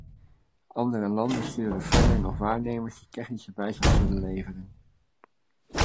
Andere landen sturen verder nog waarnemers die technische bijstand zullen leveren.